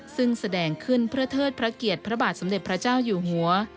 ซึ่งแสดงขึ้นเพื่อเทิดพระเกียรติพระบาทสมเด็จพระเจ้าอยู่หัว